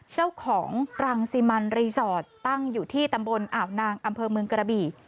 เจ้าของรังสิมันรีสอร์ทตั้งอยู่ที่ตำบลอ่าวนางอำเภอเมืองกระบี่